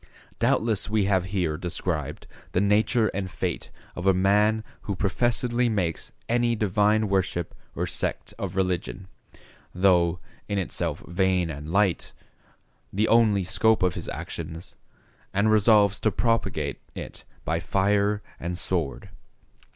Doubtless we have here described the nature and fate of a man who professedly makes any divine worship or sect of religion, though, in itself vain and light, the only scope of his actions, and resolves to propagate it by fire and sword.